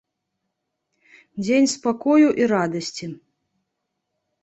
Дзень спакою і радасці.